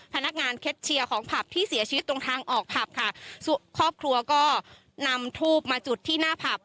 พนักงานเคชเชียร์ของผับที่เสียชีวิตตรงทางออกผับค่ะครอบครัวก็นำทูบมาจุดที่หน้าผับ